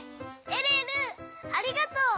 えるえるありがとう！